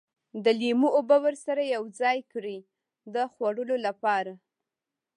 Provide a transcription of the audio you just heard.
د لیمو اوبه ورسره یوځای کړي د خوړلو لپاره.